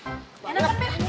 enak banget peh